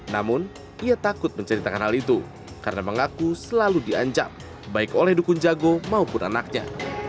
namun ia takut menceritakan hal itu karena mengaku selalu diancam baik oleh dukun jago maupun anaknya